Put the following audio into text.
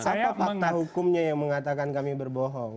siapa fakta hukumnya yang mengatakan kami berbohong